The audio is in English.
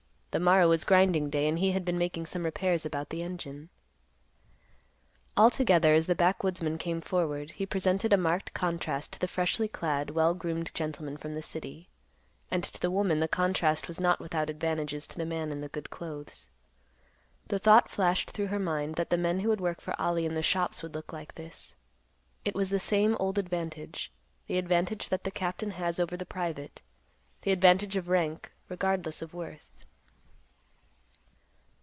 The morrow was grinding day, and he had been making some repairs about the engine. Altogether, as the backwoodsman came forward, he presented a marked contrast to the freshly clad, well groomed gentleman from the city. And to the woman, the contrast was not without advantages to the man in the good clothes. The thought flashed through her mind that the men who would work for Ollie in the shops would look like this. It was the same old advantage; the advantage that the captain has over the private; the advantage of rank, regardless of worth.